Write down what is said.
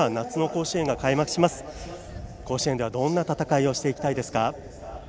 甲子園ではどんな戦いをしていきたいですか？